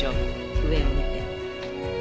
上を見て。